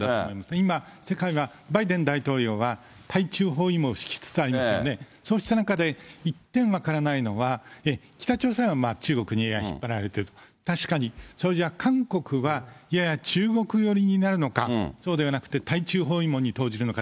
今、世界がバイデン大統領は対中包囲網を敷きつつありますよね、そうした中で、１点分からないのは、北朝鮮は中国に引っ張られていると、確かに、それじゃ韓国はやや中国寄りになるのかそうではなくて、対中包囲網に投じるのか。